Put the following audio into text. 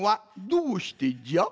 どうしてじゃ？